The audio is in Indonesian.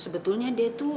sebetulnya dia tuh